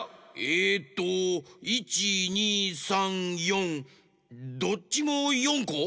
えっと１２３４どっちも４こ？